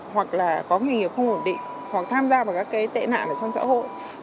hoặc là có nghề nghiệp không ổn định hoặc tham gia vào các cái tệ nạn ở trong xã hội